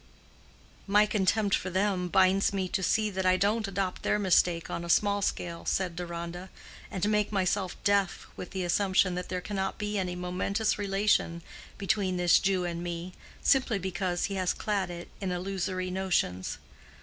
"My contempt for them binds me to see that I don't adopt their mistake on a small scale," said Deronda, "and make myself deaf with the assumption that there cannot be any momentous relation between this Jew and me, simply because he has clad it in illusory notions.